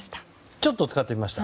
ちょっと使ってみました。